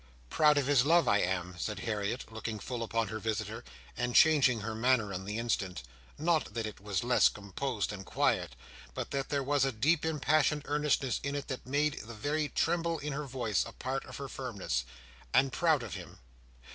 "Proud of his love, I am," said Harriet, looking full upon her visitor, and changing her manner on the instant—not that it was less composed and quiet, but that there was a deep impassioned earnestness in it that made the very tremble in her voice a part of her firmness, "and proud of him.